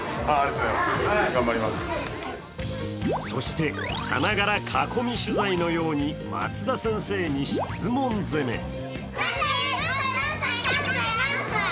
そして、さながら囲み取材のように松田先生に質問攻め。